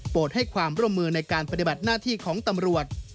ให้ความร่วมมือในการปฏิบัติหน้าที่ของตำรวจ